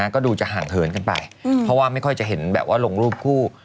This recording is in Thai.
ก็ดูจะห่างเหินกันไปเพราะว่าไม่ค่อยจะเห็นแบบว่าลงรูปคู่